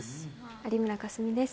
有村架純です。